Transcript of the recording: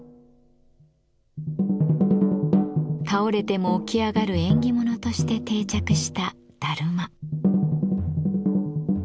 倒れても起き上がる縁起物として定着したダルマ。